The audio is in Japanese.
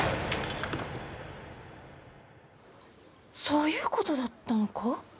そういうことだったのか。